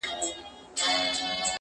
له خپله نظمه امېلونه جوړ کړم!